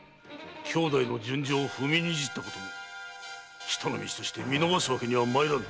兄弟の純情を踏みにじったことも人の道として見逃すわけにはまいらぬ。